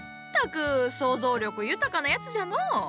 ったく想像力豊かなやつじゃのう。